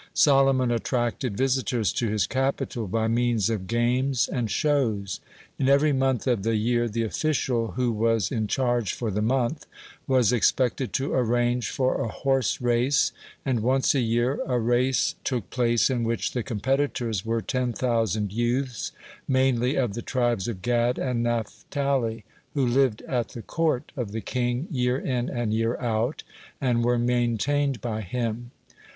Solomon attracted visitors to his capital by means of games and shows. In every month of the year the official who was in charge for the month, was expected to arrange for a horse race, and once a year (74) a race took place in which the competitors were ten thousand youths, mainly of the tribes of Gad and Naphtali, who lived at the court of the king year in, year out, and were maintained by him.